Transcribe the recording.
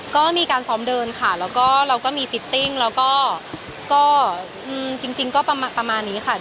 ต้องทำได้ยังไงขึ้นถึงเตรียมผัวอะไรไปอีกบ้าง